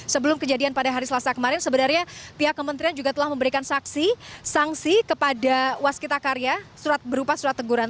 sebelum kejadian pada hari selasa kemarin sebenarnya pihak kementerian juga telah memberikan saksi sanksi kepada waskita karya berupa surat teguran